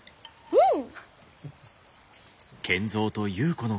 うん！